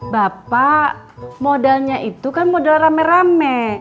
bapak modalnya itu kan modal rame rame